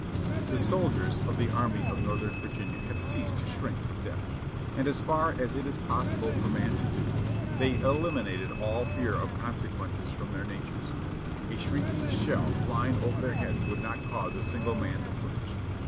The soldiers of the Army of Northern Virginia had ceased to shrink from death, and as far as it is possible for man to do, they eliminated all fear of consequences from their natures. A shrieking shell flying over their heads would not cause a single man to flinch.